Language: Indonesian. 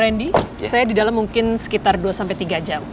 randy saya di dalam mungkin sekitar dua sampai tiga jam